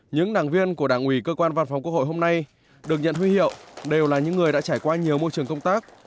những đảng viên của đảng ủy cơ quan văn phòng quốc hội hôm nay được nhận huy hiệu đều là những người đã trải qua nhiều môi trường công tác